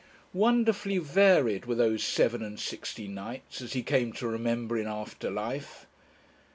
Wonderfully varied were those seven and sixty nights, as he came to remember in after life.